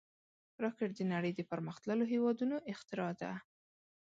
راکټ د نړۍ د پرمختللو هېوادونو اختراع ده